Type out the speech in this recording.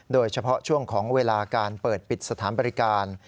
โดยเฉพาะช่วงของเวลาการเปิดปิดสถานบริการ